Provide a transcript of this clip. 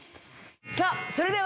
さあそれでは。